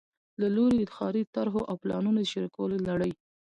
له لوري د ښاري طرحو او پلانونو د شریکولو لړۍ